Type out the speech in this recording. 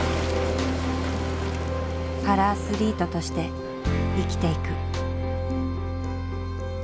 パラアスリートとして生きていく。